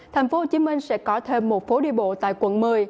thành phố hồ chí minh sẽ có thêm một phố đi bộ tại quận một mươi